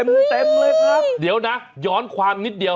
เหยียบคอก่อนดิ